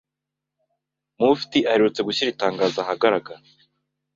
Mufti aherutse gushyira itangazo ahagaragara